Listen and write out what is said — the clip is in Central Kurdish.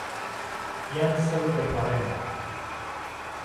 یان سەرو دەپەڕێنم